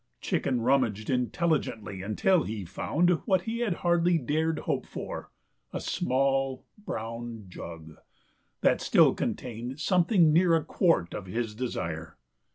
Chicken rummaged intelligently until he found what he had hardly dared hope for a small, brown jug that still contained something near a quart of his desire.